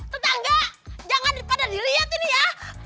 tetangga jangan pada dilihat ini ya